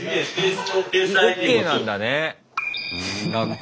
ＯＫなんだね学校。